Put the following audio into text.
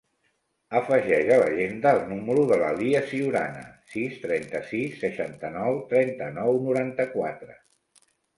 Afegeix a l'agenda el número de la Lia Ciurana: sis, trenta-sis, seixanta-nou, trenta-nou, noranta-quatre.